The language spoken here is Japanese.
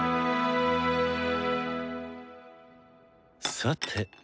さて。